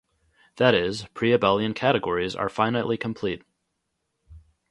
That is, pre-abelian categories are finitely complete.